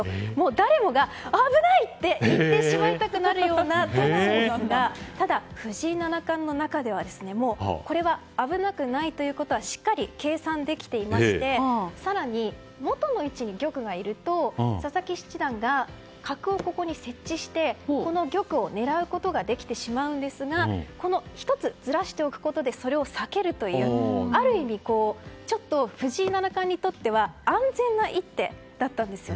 誰もが、危ない！って言ってしまいたくなるような手なんですがただ、藤井七冠の中ではこれは危なくないということはしっかり計算できていまして更に、元の位置に玉がいると佐々木七段が角を設置してこの玉を狙うことができてしまうんですが１つずらしておくことでそれを避けるというある意味、藤井七冠にとっては安全な一手だったんです。